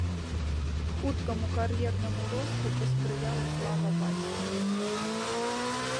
Хуткаму кар'ернаму росту паспрыяла слава бацькі.